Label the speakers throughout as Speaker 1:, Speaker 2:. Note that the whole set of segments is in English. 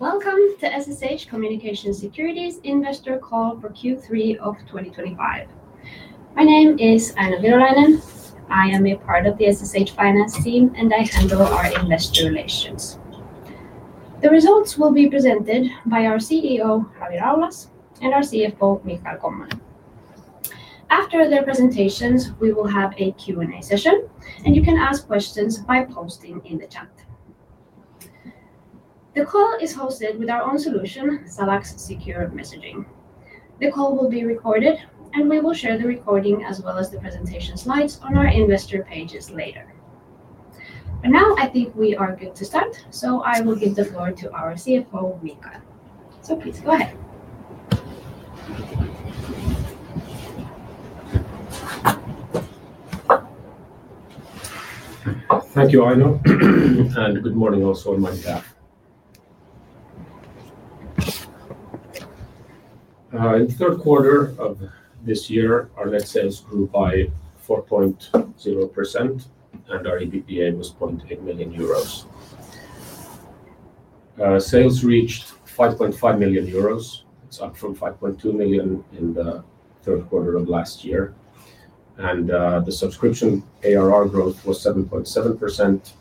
Speaker 1: Welcome to SSH Communications Security's investor call for Q3 of 2025. My name is Aino Virolainen. I am a part of the SSH Finance team, and I handle our investor relations. The results will be presented by our CEO, Rami Raulas, and our CFO, Michael Kommonen. After their presentations, we will have a Q&A session, and you can ask questions by posting in the chat. The call is hosted with our own solution, SalaX Secure Messaging. The call will be recorded, and we will share the recording as well as the presentation slides on our investor pages later. I think we are good to start, so I will give the floor to our CFO, Michael. Please go ahead.
Speaker 2: Thank you, Aino, and good morning also on my behalf. In the third quarter of this year, our net sales grew by 4.0%, and our EBITDA was 0.8 million euros. Sales reached 5.5 million euros, it's up from 5.2 million in the third quarter of last year. The subscription ARR growth was 7.7%.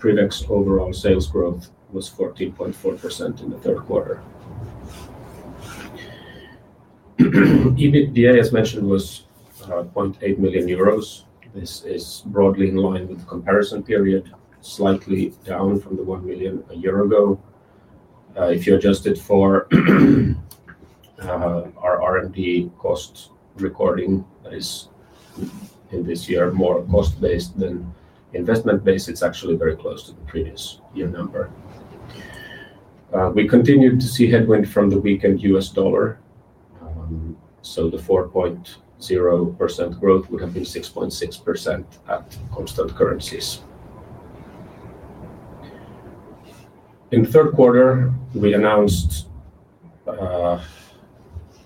Speaker 2: PrivX overall sales growth was 14.4% in the third quarter. EBITDA, as mentioned, was 0.8 million euros. This is broadly in line with the comparison period, slightly down from the 1 million a year ago. If you adjust it for our R&D cost recording, that is in this year more cost-based than investment-based, it's actually very close to the previous year number. We continued to see headwind from the weakened U.S. dollar, so the 4.0% growth would have been 6.6% at constant currencies. In the third quarter, we announced the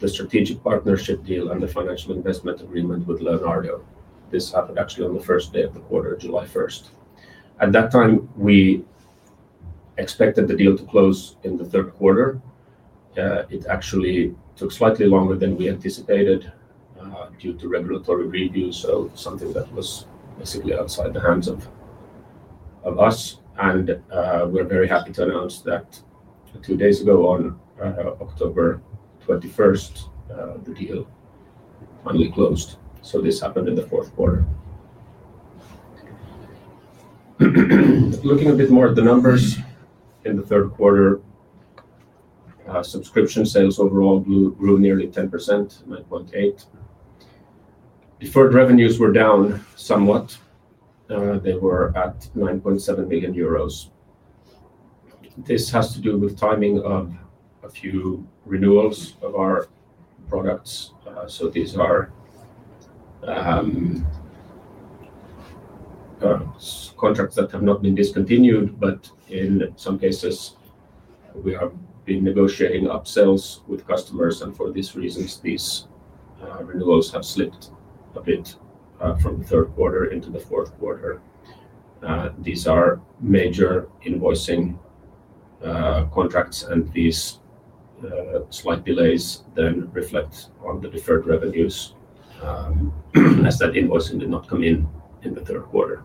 Speaker 2: strategic partnership deal and the financial investment agreement with Leonardo. This happened actually on the first day of the quarter, July 1st. At that time, we expected the deal to close in the third quarter. It actually took slightly longer than we anticipated due to regulatory reviews, something that was basically outside the hands of us. We're very happy to announce that a few days ago, on October 21st, the deal finally closed. This happened in the fourth quarter. Looking a bit more at the numbers in the third quarter, subscription sales overall grew nearly 10%, 9.8%. Deferred revenues were down somewhat. They were at 9.7 million euros. This has to do with the timing of a few renewals of our products. These are contracts that have not been discontinued, but in some cases, we have been negotiating up sales with customers. For these reasons, these renewals have slipped a bit from the third quarter into the fourth quarter. These are major invoicing contracts, and these slight delays then reflect on the deferred revenues as that invoicing did not come in in the third quarter.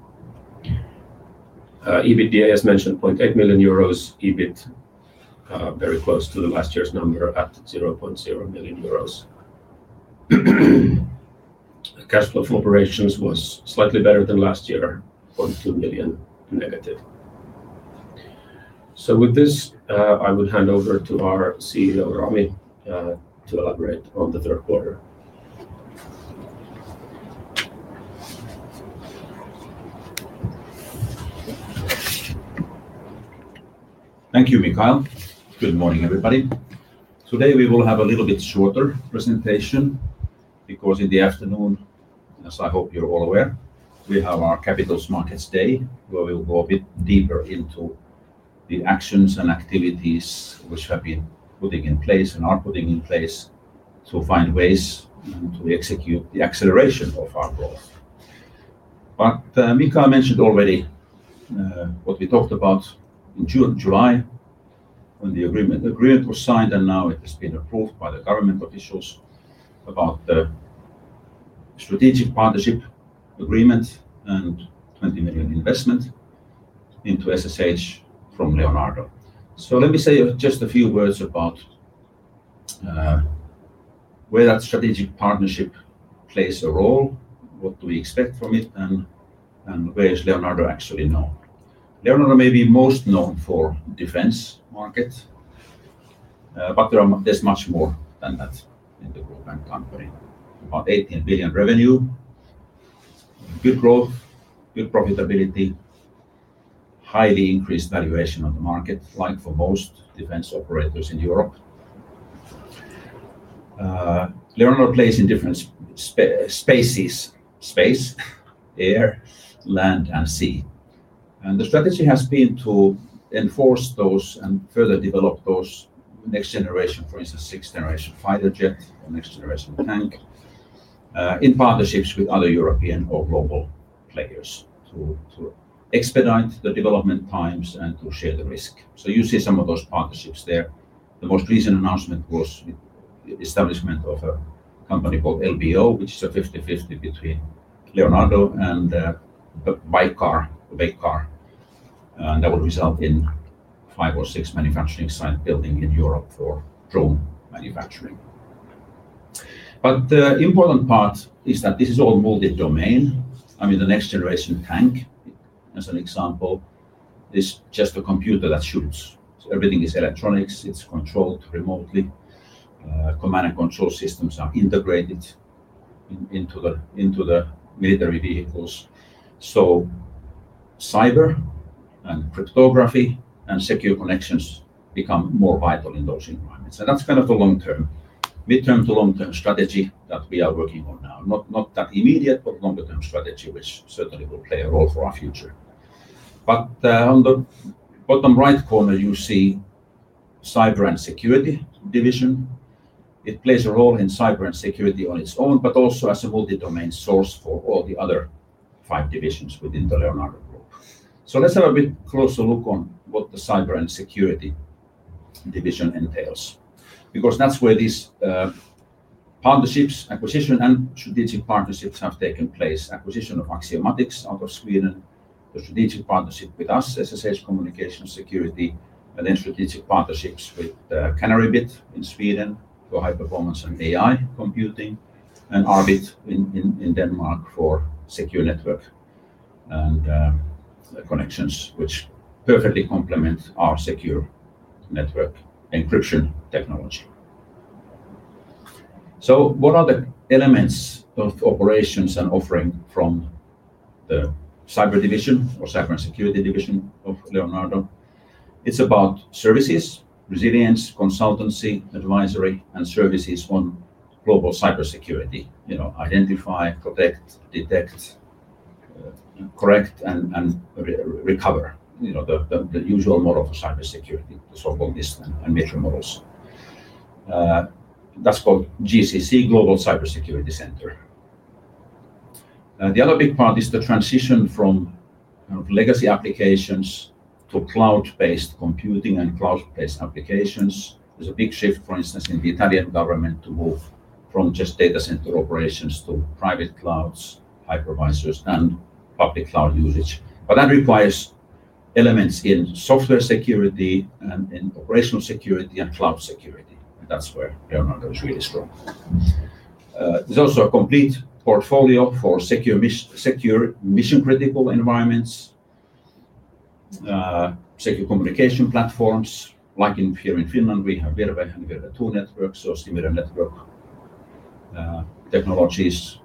Speaker 2: EBITDA, as mentioned, 0.8 million euros. EBIT very close to the last year's number at 0.0 million euros. Cash flow for operations was slightly better than last year, 0.2 million negative. With this, I would hand over to our CEO, Rami, to elaborate on the third quarter.
Speaker 3: Thank you, Michael. Good morning, everybody. Today, we will have a little bit shorter presentation because in the afternoon, as I hope you're all aware, we have our Capital Markets Day, where we will go a bit deeper into the actions and activities which have been putting in place and are putting in place to find ways to execute the acceleration of our growth. Michael mentioned already what we talked about in July, when the agreement was signed, and now it has been approved by the government officials about the strategic partnership agreement and $20 million investment into SSH from Leonardo. Let me say just a few words about where that strategic partnership plays a role, what we expect from it, and where Leonardo is actually known. Leonardo. may be most known for the defense market, but there's much more than that in the group and company. About $18 billion revenue, good growth, good profitability, highly increased valuation of the market, like for most defense operators in Europe. Leonardo plays in different spaces: space, air, land, and sea. The strategy has been to enforce those and further develop those next generation, for instance, sixth generation fighter jet or next generation tank in partnerships with other European or global players to expedite the development times and to share the risk. You see some of those partnerships there. The most recent announcement was the establishment of a company called LBO, which is a 50/50 between Leonardo and the Vikar, and that would result in five or six manufacturing sites building in Europe for drone manufacturing. The important part is that this is all multi-domain. The next generation tank, as an example, is just a computer that shoots. Everything is electronics. It's controlled remotely. Command and control systems are integrated into the military vehicles. Cyber and cryptography and secure connections become more vital in those environments. That's kind of the mid-term to long-term strategy that we are working on now. Not that immediate, but longer-term strategy, which certainly will play a role for our future. On the bottom right corner, you see the cyber and security division. It plays a role in cyber and security on its own, but also as a multi-domain source for all the other five divisions within the Leonardo. Let's have a bit closer look on what the cyber and security division entails because that's where these partnerships, acquisition, and strategic partnerships have taken place. Acquisition of Axiomatics out of Sweden, the strategic partnership with us, SSH Communications Security, and then strategic partnerships with Canary Bit in Sweden for high performance and AI computing, and Arbit in Denmark for secure network and connections, which perfectly complement our secure network encryption technology. What are the elements of operations and offering from the cyber division or cyber and security division of Leonardo? It's about services, resilience, consultancy, advisory, and services on global cybersecurity. You know, identify, protect, detect, correct, and recover. You know, the usual model for cybersecurity, the so-called NIST and MITRE models. That's called GCC, Global Cybersecurity Center. The other big part is the transition from kind of legacy applications to cloud-based computing and cloud-based applications. There's a big shift, for instance, in the Italian government to move from just data center operations to private clouds, hypervisors, and public cloud usage. That requires elements in software security and in operational security and cloud security. That's where Leonardo S.p.A. is really strong. There's also a complete portfolio for secure mission-critical environments, secure communication platforms. Like here in Finland, we have Virve and Virve2 networks, so Stimiren network technologies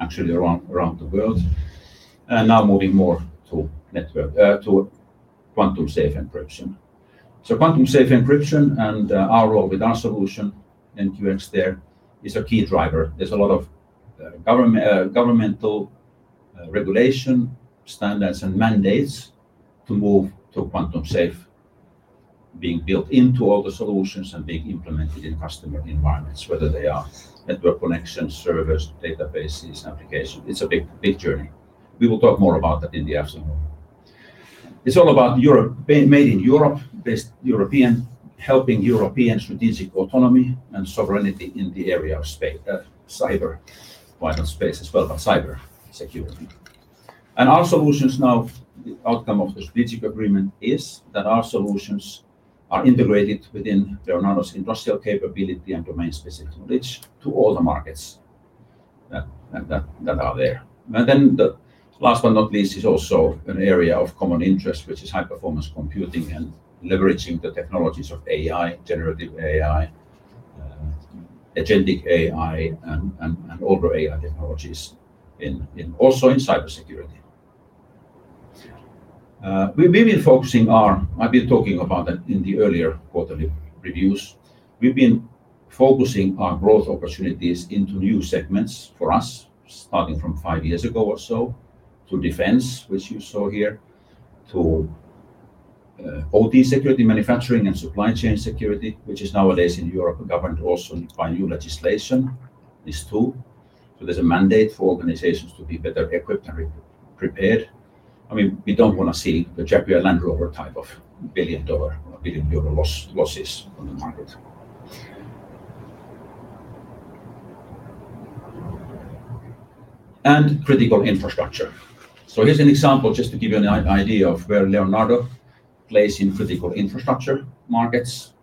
Speaker 3: actually around the world. Now moving more to network to quantum-safe encryption. Quantum-safe encryption and our role with our solution, NQX there, is a key driver. There's a lot of governmental regulation, standards, and mandates to move to quantum-safe being built into all the solutions and being implemented in customer environments, whether they are network connections, servers, databases, applications. It's a big journey. We will talk more about that in the afternoon. It's all about Europe made in Europe, based European, helping European strategic autonomy and sovereignty in the area of cyber security. Our solutions now, the outcome of the strategic agreement, is that our solutions are integrated within Leonardo S.p.A.'s industrial capability and domain-specific knowledge to all the markets that are there. The last but not least is also an area of common interest, which is high-performance computing and leveraging the technologies of AI, generative AI, agentic AI, and older AI technologies and also in cybersecurity. We've been focusing on, I've been talking about in the earlier quarterly reviews, we've been focusing on growth opportunities into new segments for us, starting from five years ago or so to defense, which you saw here, to OT security, manufacturing, and supply chain security, which is nowadays in Europe, governed also by new legislation, these two. There is a mandate for organizations to be better equipped and prepared. I mean, we don't want to see the JetBlue and Land Rover type of billion dollar or billion euro losses on the market. And critical infrastructure. Here's an example just to give you an idea of where Leonardo plays in critical infrastructure markets.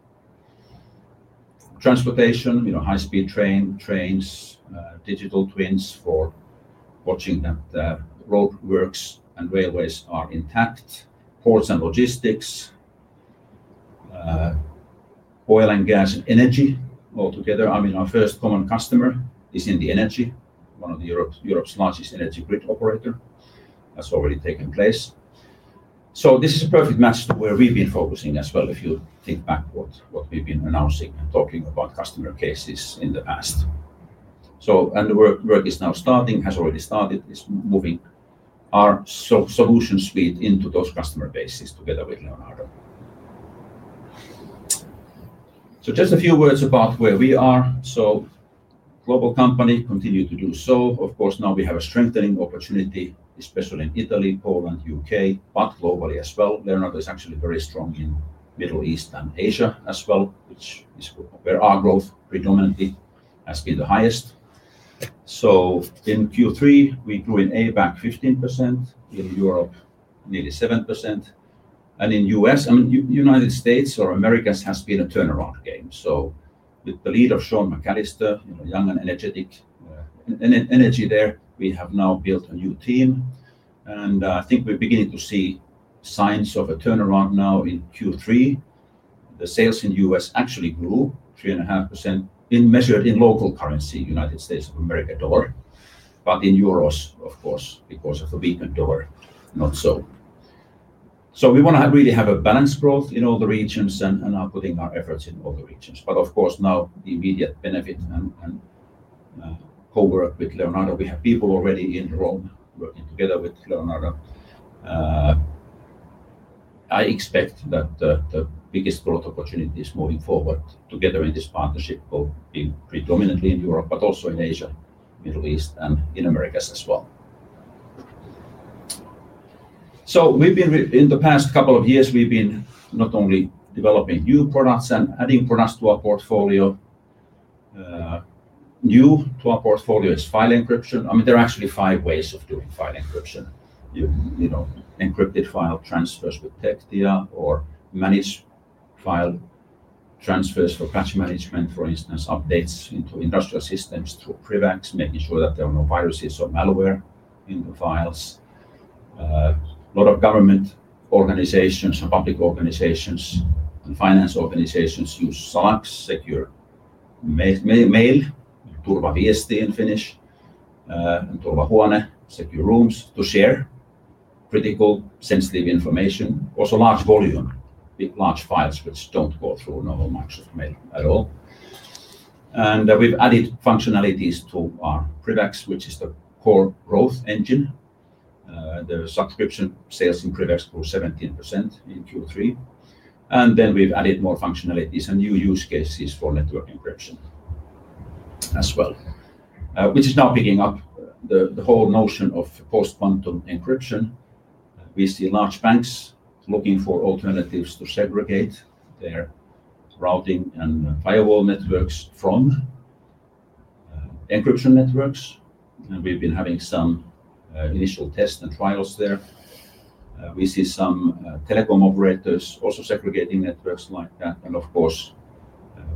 Speaker 3: Transportation, high-speed trains, digital twins for watching that roadworks and railways are intact, ports and logistics, oil and gas and energy altogether. Our first common customer is in the energy, one of Europe's largest energy grid operators. That's already taken place. This is a perfect match to where we've been focusing as well if you think back to what we've been announcing and talking about customer cases in the past. The work is now starting, has already started. It's moving our solution suite into those customer bases together with Leonardo S.p.A. Just a few words about where we are. Global company, continue to do so. Of course, now we have a strengthening opportunity, especially in Italy, Poland, U.K., but globally as well. Leonardo. is actually very strong in the Middle East and Asia as well, which is where our growth predominantly has been the highest. In Q3, we grew in ABAC 15%, in Europe nearly 7%, and in the U.S., I mean, the United States or Americas has been a turnaround game. With the lead of Sean McAllister, young and energetic, and energy there, we have now built a new team. I think we're beginning to see signs of a turnaround now in Q3. The sales in the U.S. actually grew 3.5% measured in local currency, United States dollar, but in euros, because of the weakened dollar, not so. We want to really have a balanced growth in all the regions and are putting our efforts in all the regions. Of course, now the immediate benefit and cowork with Leonardo, we have people already in Rome working together with Leonardo. I expect that the biggest growth opportunity is moving forward together in this partnership, both being predominantly in Europe, but also in Asia, Middle East, and in Americas as well. We've been in the past couple of years not only developing new products and adding products to our portfolio. New to our portfolio is file encryption. I mean, there are actually five ways of doing file encryption. You know, encrypted file transfers with TechTIA or managed file transfers for patch management, for instance, updates into industrial systems through PrivX, making sure that there are no viruses or malware in the files. A lot of government organizations and public organizations and finance organizations use SalaX Secure Messaging, secure mail, turvaviesti in Finnish, and turvahuone, secure rooms to share critical sensitive information, also large volume, large files which don't go through normal Microsoft mail at all. We've added functionalities to our PrivX, which is the core growth engine. The subscription sales in PrivX grew 17% in Q3. We've added more functionalities and new use cases for network encryption as well, which is now picking up the whole notion of post-quantum encryption. We see large banks looking for alternatives to segregate their routing and firewall networks from encryption networks. We've been having some initial tests and trials there. We see some telecom operators also segregating networks like that.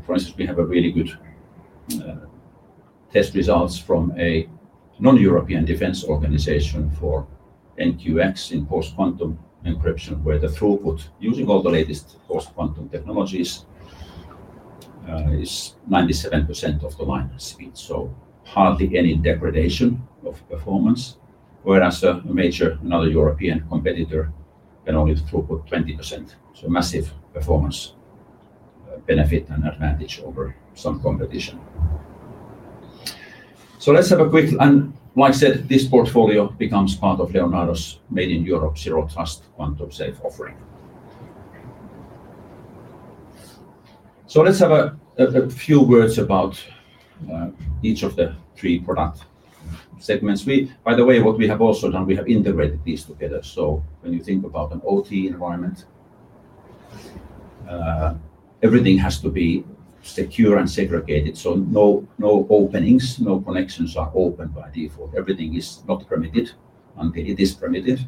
Speaker 3: For instance, we have really good test results from a non-European defense organization for NQX in post-quantum encryption, where the throughput using all the latest post-quantum technologies is 97% of the line speed. Hardly any degradation of performance, whereas a major, another European competitor can only throughput 20%. Massive performance benefit and advantage over some competition. This portfolio becomes part of Leonardo S.p.A.'s made in Europe zero-trust quantum-safe offering. Let's have a few words about each of the three product segments. By the way, what we have also done, we have integrated these together. When you think about an OT environment, everything has to be secure and segregated. No openings, no connections are open by default. Everything is not permitted until it is permitted.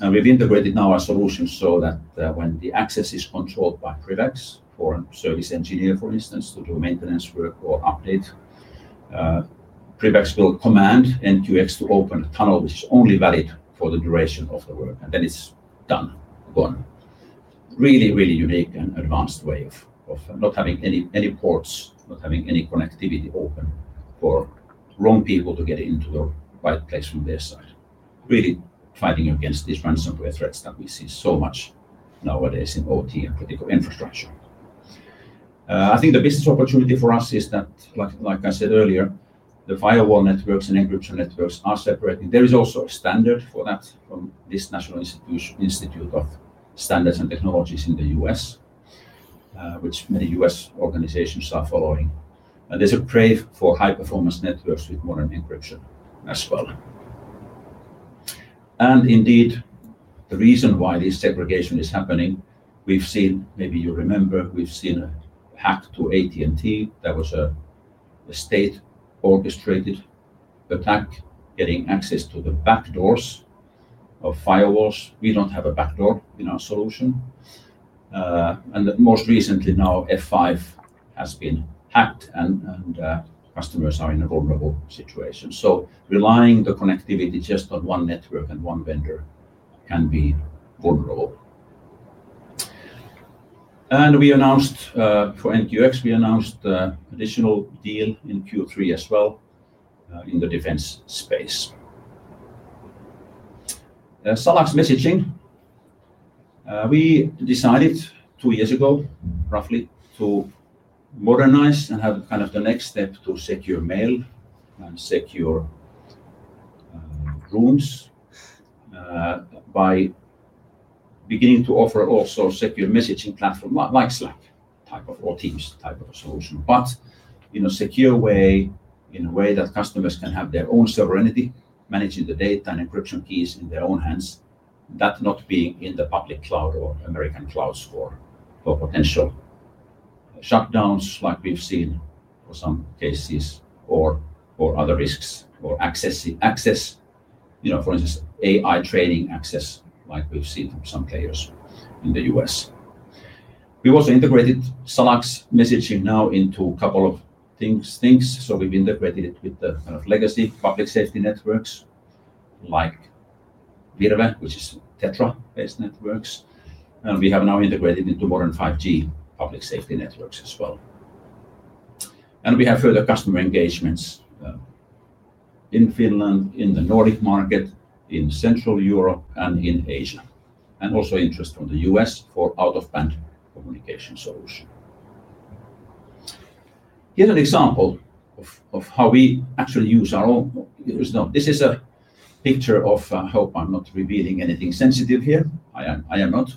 Speaker 3: We have integrated now our solutions so that when the access is controlled by PrivX for a service engineer, for instance, to do maintenance work or update, PrivX will command NQX to open a tunnel, which is only valid for the duration of the work. Then it's done, gone. Really, really unique and advanced way of not having any ports, not having any connectivity open for wrong people to get into the right place from their side. Really fighting against these ransomware threats that we see so much nowadays in OT and critical infrastructure. I think the business opportunity for us is that, like I said earlier, the firewall networks and encryption networks are separating. There is also a standard for that from the National Institute of Standards and Technology in the U.S., which many U.S. organizations are following. There's a crave for high-performance networks with modern encryption as well. Indeed, the reason why this segregation is happening, we've seen, maybe you remember, we've seen a hack to AT&T. That was a state-orchestrated attack getting access to the backdoors of firewalls. We don't have a backdoor in our solution. Most recently, now F5 has been hacked and customers are in a vulnerable situation. Relying on the connectivity just on one network and one vendor can be vulnerable. We announced for NQX, we announced an additional deal in Q3 as well in the defense space. SalaX Secure Messaging, we decided two years ago, roughly, to modernize and have kind of the next step to secure mail and secure rooms by beginning to offer also a secure messaging platform like Slack type of or Teams type of a solution, but in a secure way, in a way that customers can have their own sovereignty, managing the data and encryption keys in their own hands, that not being in the public cloud or American clouds for potential shutdowns like we've seen for some cases or other risks or access, for instance, AI training access like we've seen from some players in the U.S. We've also integrated SalaX Secure Messaging now into a couple of things. We've integrated it with the kind of legacy public safety networks like Virve, which is Tetra-based networks. We have now integrated into modern 5G public safety networks as well. We have further customer engagements in Finland, in the Nordic market, in Central Europe, and in Asia. There is also interest from the U.S. for out-of-band communication solution. Here's an example of how we actually use our own. This is a picture of, I hope I'm not revealing anything sensitive here. I am not.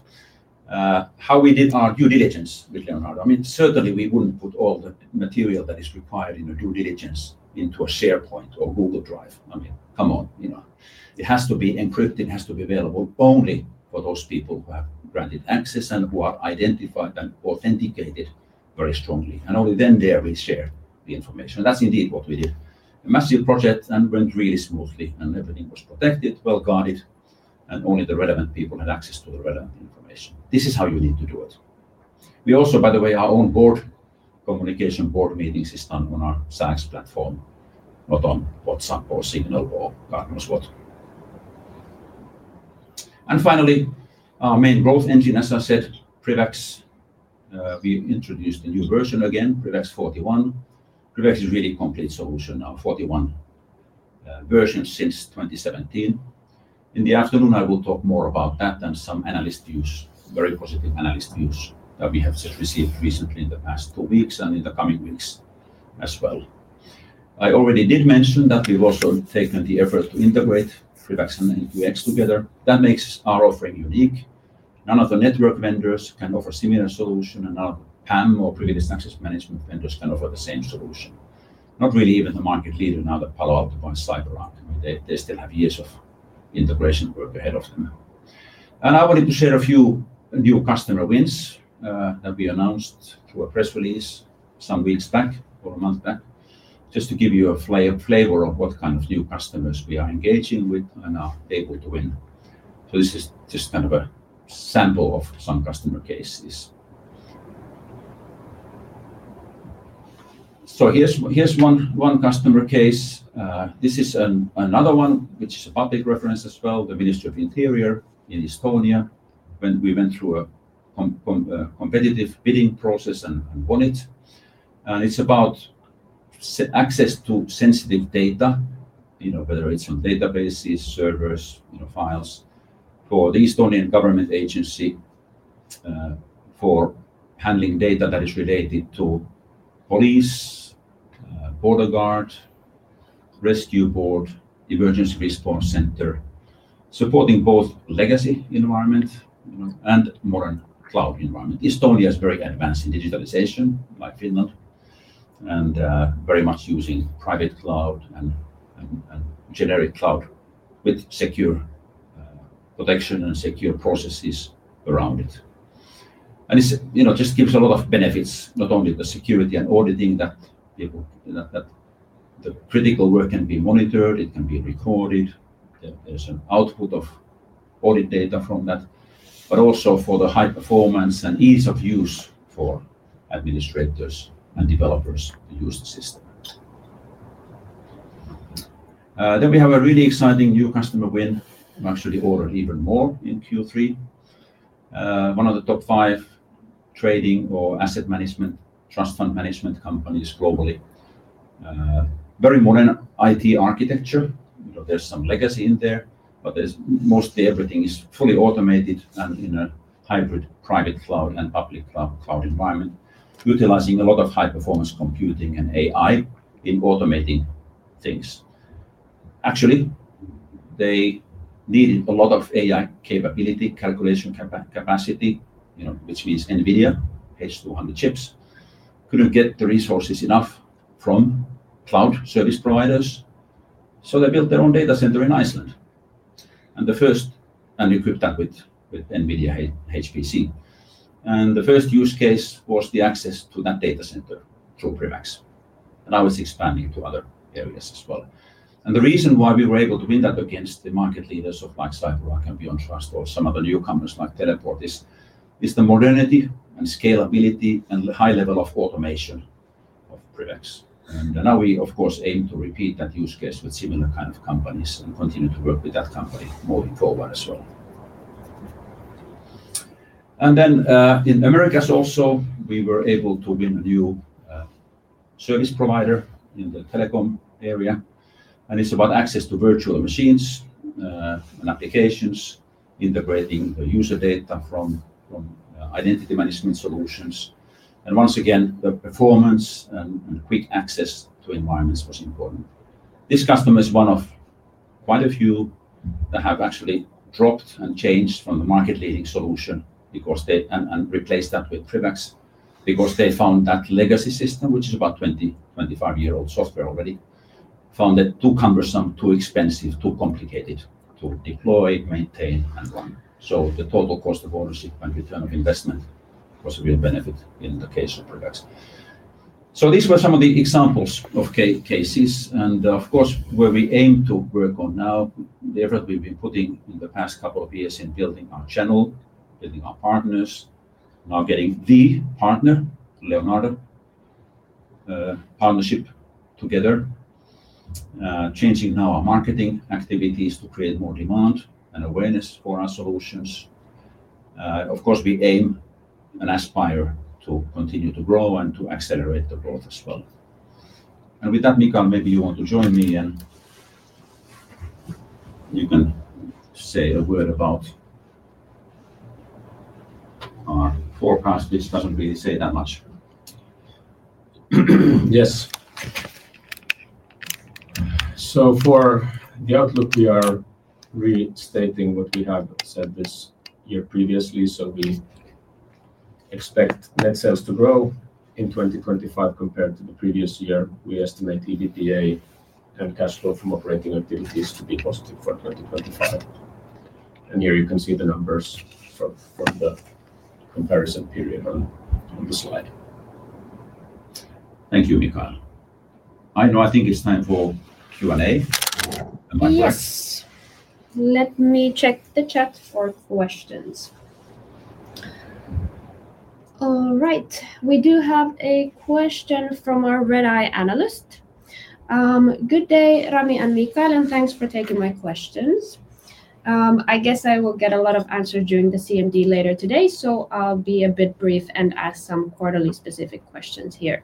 Speaker 3: How we did our due diligence with Leonardo. Certainly, we wouldn't put all the material that is required in a due diligence into a SharePoint or Google Drive. Come on. It has to be encrypted. It has to be available only for those people who have granted access and who are identified and authenticated very strongly. Only then dare we share the information. That's indeed what we did. A massive project and went really smoothly. Everything was protected, well guarded, and only the relevant people had access to the relevant information. This is how you need to do it. We also, by the way, our own board communication, board meetings are done on our SACS platform, not on WhatsApp or Signal or God knows what. Finally, our main growth engine, as I said, PrivX. We introduced a new version again, PrivX 41. PrivX is a really complete solution, our 41 version since 2017. In the afternoon, I will talk more about that and some analyst views, very positive analyst views that we have just received recently in the past two weeks and in the coming weeks as well. I already did mention that we've also taken the effort to integrate PrivX and NQX together. That makes our offering unique. None of the network vendors can offer a similar solution, and none of the PAM or privileged access management vendors can offer the same solution. Not really even the market leader now, the Palo Alto by CyberArk. They still have years of integration work ahead of them. I wanted to share a few new customer wins that we announced through a press release some weeks back or a month back, just to give you a flavor of what kind of new customers we are engaging with and are able to win. This is just kind of a sample of some customer cases. Here's one customer case. This is another one, which is a public reference as well, the Ministry of Interior in Estonia, when we went through a competitive bidding process and won it. It's about access to sensitive data, whether it's on databases, servers, files for the Estonian government agency for handling data that is related to police, border guard, rescue board, emergency response center, supporting both legacy environment and modern cloud environment. Estonia is very advanced in digitalization, like Finland, and very much using private cloud and generic cloud with secure protection and secure processes around it. It just gives a lot of benefits, not only the security and auditing that the critical work can be monitored. It can be recorded. There's an output of audit data from that, but also for the high performance and ease of use for administrators and developers to use the system. We have a really exciting new customer win. I actually ordered even more in Q3. One of the top five trading or asset management trust fund management companies globally. Very modern IT architecture. There's some legacy in there, but mostly everything is fully automated and in a hybrid private cloud and public cloud environment, utilizing a lot of high-performance computing and AI in automating things. Actually, they needed a lot of AI capability, calculation capacity, which means NVIDIA H200 chips, couldn't get the resources enough from cloud service providers. They built their own data center in Iceland and equipped that with NVIDIA HPC. The first use case was the access to that data center through PrivX. I was expanding to other areas as well. The reason why we were able to win that against the market leaders like CyberArk and BeyondTrust or some other newcomers like Teleport is the modernity and scalability and high level of automation of PrivX. We, of course, aim to repeat that use case with similar kind of companies and continue to work with that company more in global as well. In Americas also, we were able to win a new service provider in the telecom area. It's about access to virtual machines and applications, integrating the user data from identity management solutions. Once again, the performance and quick access to environments was important. This customer is one of quite a few that have actually dropped and changed from the market-leading solution and replaced that with PrivX because they found that legacy system, which is about 20, 25-year-old software already, found it too cumbersome, too expensive, too complicated to deploy, maintain, and run. The total cost of ownership and return of investment was a real benefit in the case of PrivX. These were some of the examples of cases. Of course, where we aim to work on now, the effort we've been putting in the past couple of years in building our channel, building our partners, now getting the partner, Leonardo, partnership together, changing now our marketing activities to create more demand and awareness for our solutions. We aim and aspire to continue to grow and to accelerate the growth as well. With that, Mika, maybe you want to join me and you can say a word about our forecast, which doesn't really say that much.
Speaker 2: Yes. For the outlook, we are restating what we have said this year previously. We expect net sales to grow in 2025 compared to the previous year. We estimate EBITDA and cash flow from operating activities to be positive for 2025. Here you can see the numbers from the comparison period on the slide.
Speaker 3: Thank you, Michael. I know I think it's time for Q&A and my questions.
Speaker 1: Let me check the chat for questions. All right. We do have a question from our Red Eye analyst. Good day, Rami and Michael, and thanks for taking my questions. I guess I will get a lot of answers during the CMD later today, so I'll be a bit brief and ask some quarterly specific questions here.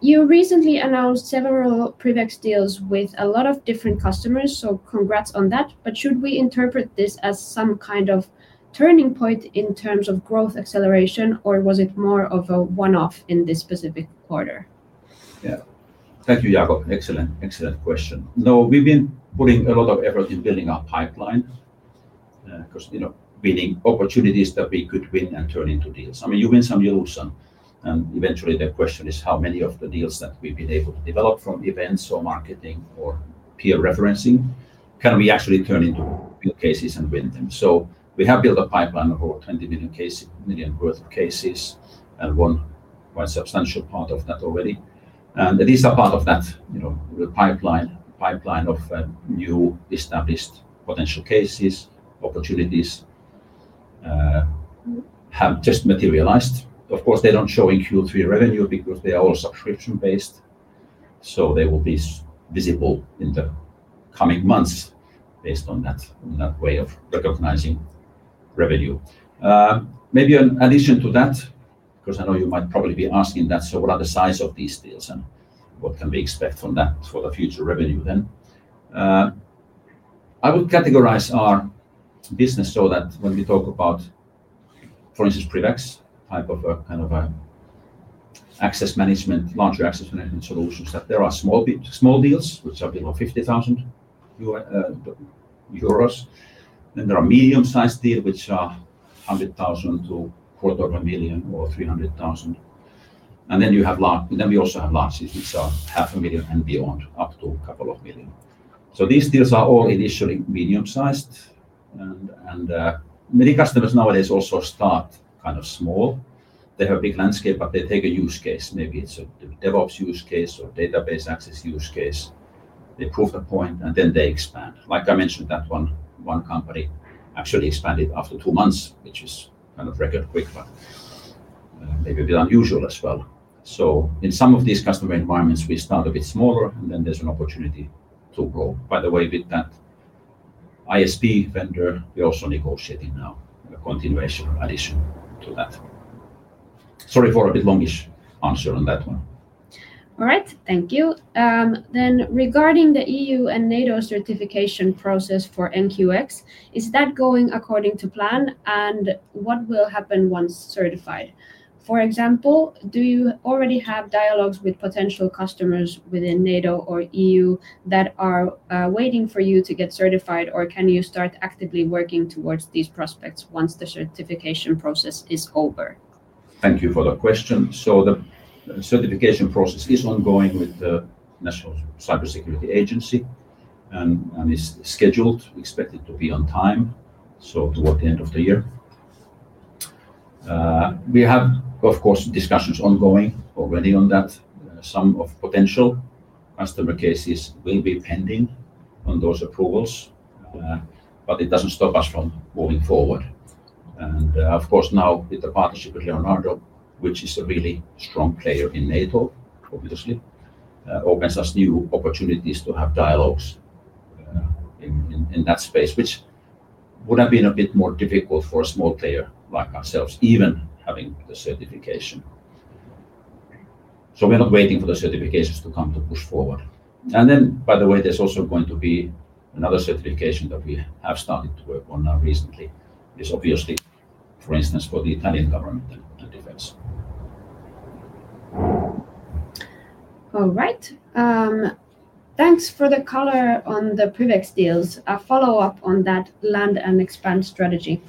Speaker 1: You recently announced several PrivX deals with a lot of different customers, so congrats on that. Should we interpret this as some kind of turning point in terms of growth acceleration, or was it more of a one-off in this specific quarter?
Speaker 3: Yeah. Thank you, Jakob. Excellent, excellent question. We've been putting a lot of effort in building our pipeline because we need opportunities that we could win and turn into deals. I mean, you win some deals and eventually the question is how many of the deals that we've been able to develop from events or marketing or peer referencing can we actually turn into real cases and win them. We have built a pipeline of over 20 million worth of cases and won quite a substantial part of that already. These are part of that real pipeline of new established potential cases. Opportunities have just materialized. Of course, they don't show in Q3 revenue because they are all subscription-based. They will be visible in the coming months based on that way of recognizing revenue. Maybe in addition to that, because I know you might probably be asking that, what are the size of these deals and what can we expect from that for the future revenue then? I would categorize our business so that when we talk about, for instance, PrivX type of a kind of an access management, larger access management solutions, there are small deals which are below 50,000 euros, and there are medium-sized deals which are 100,000 to a quarter of a million or 300,000. We also have larges, which are half a million and beyond, up to a couple of million. These deals are all initially medium-sized. Many customers nowadays also start kind of small. They have a big landscape, but they take a use case. Maybe it's a DevOps use case or database access use case. They prove the point and then they expand. Like I mentioned, that one company actually expanded after two months, which is kind of record quick, but maybe a bit unusual as well. In some of these customer environments, we start a bit smaller and then there's an opportunity to grow. By the way, with that ISP vendor, we're also negotiating now a continuation or addition to that. Sorry for a bit longish answer on that one.
Speaker 1: All right. Thank you. Regarding the EU and NATO certification process for NQX, is that going according to plan, and what will happen once certified? For example, do you already have dialogues with potential customers within NATO or the EU that are waiting for you to get certified, or can you start actively working towards these prospects once the certification process is over?
Speaker 3: Thank you for the question. The certification process is ongoing with the National Cybersecurity Agency and is scheduled, expected to be on time, toward the end of the year. We have, of course, discussions ongoing already on that. Some of potential customer cases will be pending on those approvals, but it doesn't stop us from moving forward. Of course, now with the partnership with Leonardo, which is a really strong player in NATO, obviously opens us new opportunities to have dialogues in that space, which would have been a bit more difficult for a small player like ourselves, even having the certification. We're not waiting for the certifications to come to push forward. By the way, there's also going to be another certification that we have started to work on now recently. It is obviously, for instance, for the Italian government and defense.
Speaker 1: All right. Thanks for the color on the PrivX deals. A follow-up on that land and expand strategy.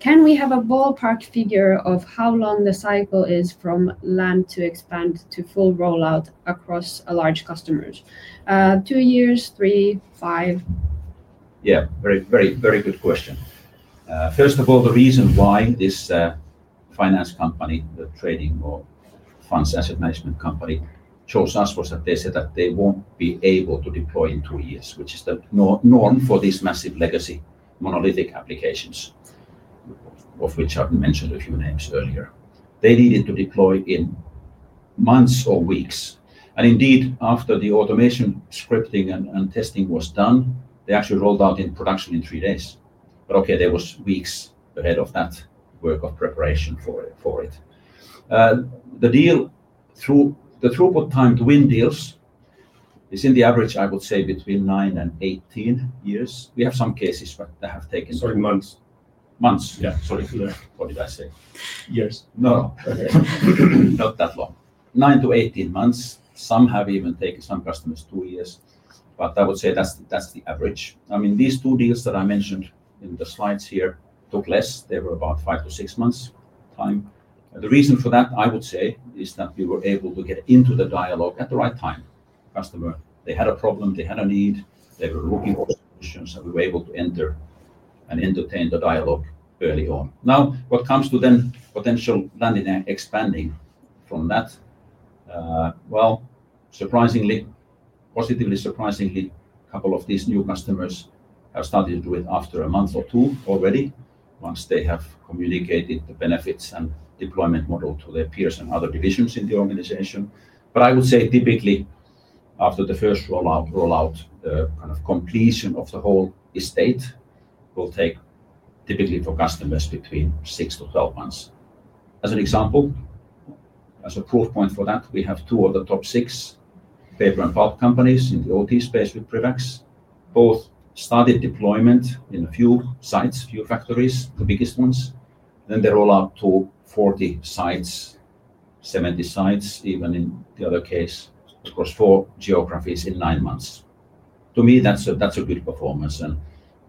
Speaker 1: Can we have a ballpark figure of how long the cycle is from land to expand to full rollout across large customers? Two years, three, five?
Speaker 3: Yeah, very, very, very good question. First of all, the reason why this finance company, the trading or funds asset management company, chose us was that they said that they won't be able to deploy in two years, which is the norm for these massive legacy monolithic applications, of which I've mentioned a few names earlier. They needed to deploy in months or weeks. Indeed, after the automation scripting and testing was done, they actually rolled out in production in three days. There were weeks ahead of that work of preparation for it. The deal, through the throughput time to win deals, is in the average, I would say, between nine and 18 years. We have some cases, but they have taken.
Speaker 2: Sorry, months?
Speaker 3: Months, yeah. Sorry. What did I say?
Speaker 2: Years.
Speaker 3: No.
Speaker 2: Okay.
Speaker 3: Not that long. Nine to 18 months. Some have even taken some customers two years, but I would say that's the average. I mean, these two deals that I mentioned in the slides here took less. They were about five to six months time. The reason for that, I would say, is that we were able to get into the dialogue at the right time. Customer, they had a problem, they had a need, they were looking for solutions, and we were able to enter and entertain the dialogue early on. Now, what comes to then potential landing and expanding from that? Surprisingly, positively surprisingly, a couple of these new customers have started to do it after a month or two already, once they have communicated the benefits and deployment model to their peers and other divisions in the organization. I would say typically, after the first rollout, kind of completion of the whole estate, will take typically for customers between six to 12 months. As an example, as a proof point for that, we have two of the top six paper and pulp companies in the OT space with PrivX. Both started deployment in a few sites, a few factories, the biggest ones. Then they roll out to 40 sites, 70 sites, even in the other case, of course, four geographies in nine months. To me, that's a good performance and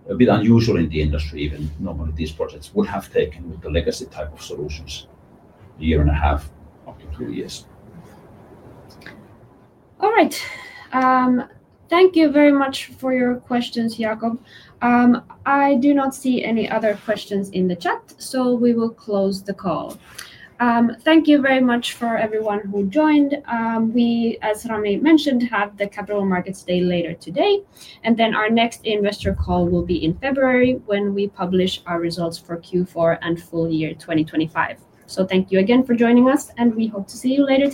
Speaker 3: a bit unusual in the industry. Normally, these projects would have taken with the legacy type of solutions a year and a half, two years.
Speaker 1: All right. Thank you very much for your questions, Jakob. I do not see any other questions in the chat, so we will close the call. Thank you very much for everyone who joined. We, as Rami mentioned, have the Capital Markets Day later today. Our next investor call will be in February when we publish our results for Q4 and full year 2025. Thank you again for joining us, and we hope to see you later.